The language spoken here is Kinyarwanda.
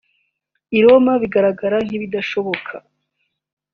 i Roma bigaragara nk’ibidashoboka